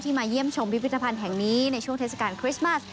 มาเยี่ยมชมพิพิธภัณฑ์แห่งนี้ในช่วงเทศกาลคริสต์มัส